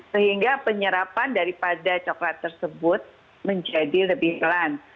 sehingga penyerapan daripada coklat tersebut menjadi lebih pelan